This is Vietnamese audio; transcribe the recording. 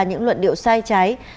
những luận điệu sai trái